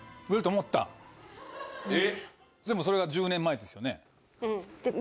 でもそれが１０年前ですよね？